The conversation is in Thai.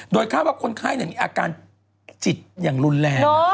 โดยคาดว่าคนไข้มีอาการจิตอย่างรุนแรง